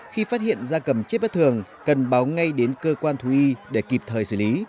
khi phát hiện da cầm chết bất thường cần báo ngay đến cơ quan thú y để kịp thời xử lý